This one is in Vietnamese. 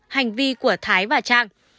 hành vi của thái và trang